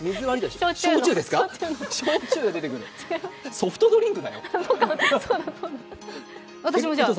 ソフトドリンク！